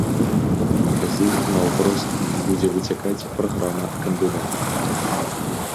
З іх наўпрост будзе выцякаць праграма кандыдата.